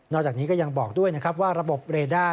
จากนี้ก็ยังบอกด้วยนะครับว่าระบบเรด้า